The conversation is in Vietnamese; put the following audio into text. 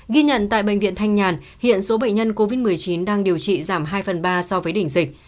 ghi nhận tại bệnh viện thanh nhàn hiện số bệnh nhân covid một mươi chín đang điều trị giảm hai phần ba so với đỉnh dịch